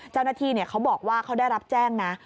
เจ้าหน้าที่เขาบอกว่าเขาได้รับแจ้งนะ